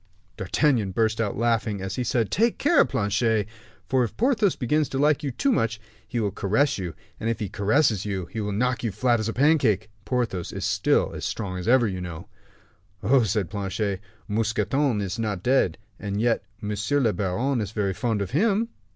D'Artagnan burst out laughing, as he said, "Take care, Planchet; for if Porthos begins to like you so much, he will caress you, and if he caresses you he will knock you as flat as a pancake. Porthos is still as strong as ever, you know." "Oh," said Planchet, "Mousqueton is not dead, and yet monsieur le baron is very fond of him."